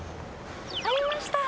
ありました。